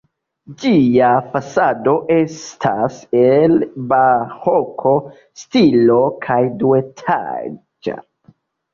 Ĝia fasado estas el baroka stilo kaj duetaĝa.